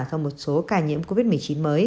cho một số ca nhiễm covid một mươi chín mới